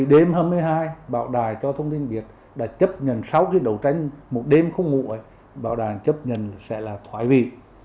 vì đêm hai mươi hai bảo đại cho thông tin việt đã chấp nhận sáu cái đầu tranh một đêm không ngủ bảo đại chấp nhận sẽ là thoái vị